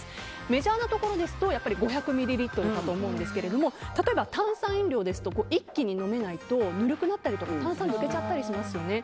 メジャーなところですと５００ミリリットルかと思うんですが例えば炭酸飲料ですと一気に飲めないとぬるくなったりとか炭酸が抜けちゃったりしますよね。